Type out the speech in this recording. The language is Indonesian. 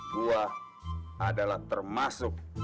gua adalah termasuk